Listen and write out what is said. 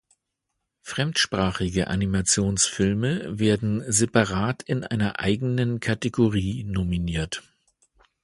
Fremdsprachige Animationsfilme werden separat in einer eigenen Kategorie nominiert.